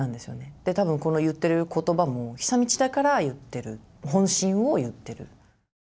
で多分この言ってる言葉も久通だから言ってる本心を言ってる。